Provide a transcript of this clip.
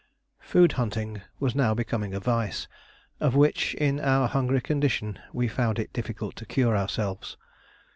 Food hunting was now becoming a vice, of which, in our hungry condition, we found it difficult to cure ourselves.